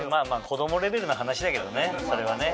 子供レベルの話だけどねそれはね。